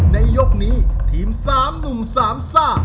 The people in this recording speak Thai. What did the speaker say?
ในยกนี้ทีม๓หนุ่มสามซ่า